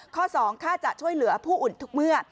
ข้อ๒ค่าจะช่วยเหลือผู้อุ่นทุกเมื่อ